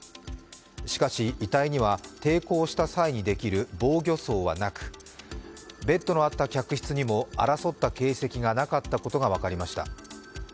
しかし、遺体には抵抗した際にできる防御創はなくベッドのあった客室にも争った形跡がなかったことも分かりました。